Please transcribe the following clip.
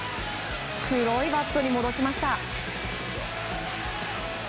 黒いバットに戻しました。